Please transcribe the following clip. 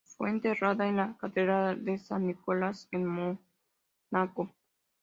Fue enterrada en la Catedral de San Nicolás, en Mónaco.